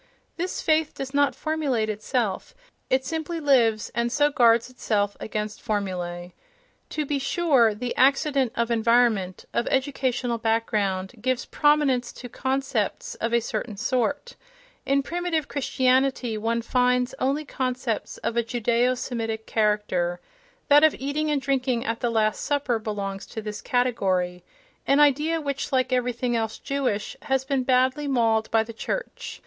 This faith does not formulate itself—it simply lives, and so guards itself against formulae. To be sure, the accident of environment, of educational background gives prominence to concepts of a certain sort: in primitive Christianity one finds only concepts of a Judaeo Semitic character (—that of eating and drinking at the last supper belongs to this category—an idea which, like everything else Jewish, has been badly mauled by the church).